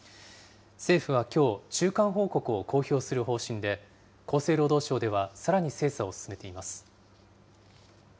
政府はきょう、中間報告を公表する方針で、厚生労働省ではさらに精査を進めています。